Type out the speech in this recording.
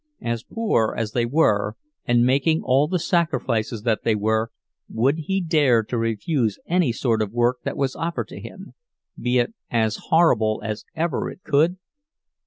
As poor as they were, and making all the sacrifices that they were, would he dare to refuse any sort of work that was offered to him, be it as horrible as ever it could?